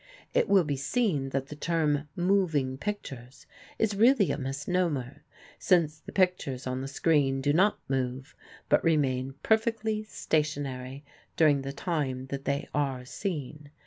It will be seen that the term "moving pictures" is really a misnomer, since the pictures on the screen do not move, but remain perfectly stationary during the time that they are seen.